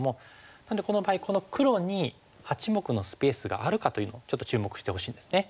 なのでこの場合この黒に八目のスペースがあるかというのをちょっと注目してほしいんですね。